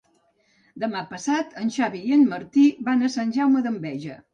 Demà passat en Xavi i en Martí van a Sant Jaume d'Enveja.